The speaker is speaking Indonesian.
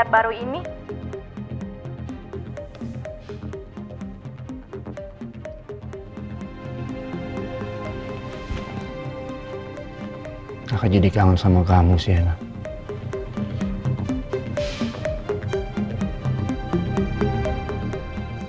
semoga hari ini habisan para tentang dpm streetwear scnia jadi kaya pun